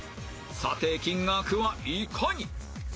査定金額はいかに？